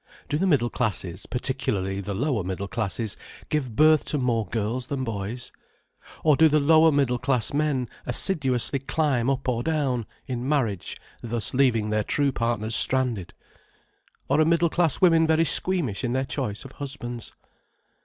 Do the middle classes, particularly the lower middle classes, give birth to more girls than boys? Or do the lower middle class men assiduously climb up or down, in marriage, thus leaving their true partners stranded? Or are middle class women very squeamish in their choice of husbands?